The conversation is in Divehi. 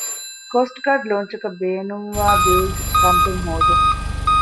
ކޯސްޓްގާޑް ލޯންޗަކަށް ބޭނުންވާ ބިލްޖް ޕަމްޕެއް ހޯދުން